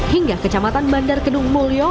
hingga kecamatan bandar kedung mulyo